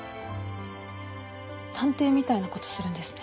探偵みたいな事するんですね。